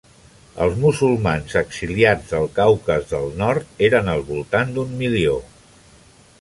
Els musulmans exiliats del Caucas del Nord eren al voltant d'un milió.